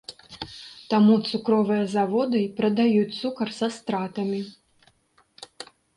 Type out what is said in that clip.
Таму цукровыя заводы і прадаюць цукар са стратамі.